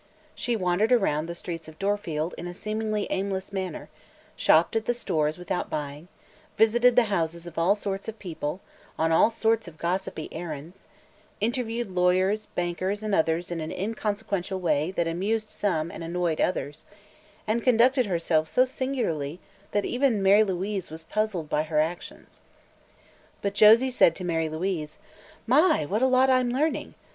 She wandered around the streets of Dorfield in a seemingly aimless manner, shopped at the stores without buying, visited the houses of all sorts of people, on all sorts of gossipy errands, interviewed lawyers, bankers and others in an inconsequential way that amused some and annoyed others, and conducted herself so singularly that even Mary Louise was puzzled by her actions. But Josie said to Mary Louise: "My, what a lot I'm learning!